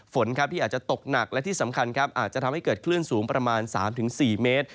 ฝนที่อาจจะตกหนักและที่สำคัญครับอาจจะทำให้เกิดคลื่นสูงประมาณ๓๔เมตร